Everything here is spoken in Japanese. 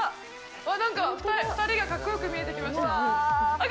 なんか２人がかっこよく見えてきました。